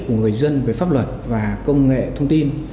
của người dân về pháp luật và công nghệ thông tin